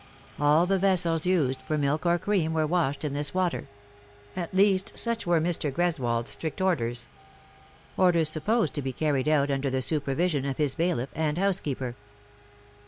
All the vessels used ior milk or cream were washed in this water ; at least, such were Mr. G reswold's strict orders orders supposed to be carried out under the supervision of his bailiff and housekeeper.